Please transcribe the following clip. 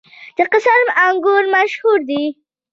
د قیصار انګور مشهور دي